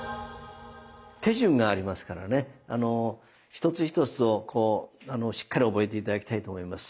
手順がありますからねあの一つ一つをこうしっかり覚えて頂きたいと思います。